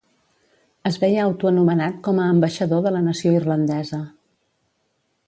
Es veia autoanomenat com a ambaixador de la nació irlandesa.